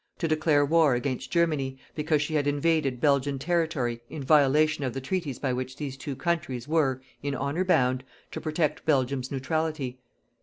to declare war against Germany because she had invaded Belgian territory in violation of the treaties by which these two countries were, in honour bound, to protect Belgium's neutrality.